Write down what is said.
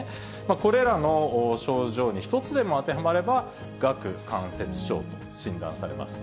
これらの症状に１つでも当てはまれば、顎関節症と診断されます。